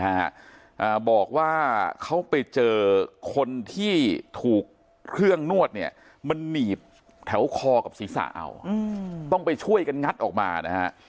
อ่าบอกว่าเขาไปเจอคนที่ถูกเครื่องนวดเนี่ยมันหนีบแถวคอกับศีรษะเอาอืมต้องไปช่วยกันงัดออกมานะฮะ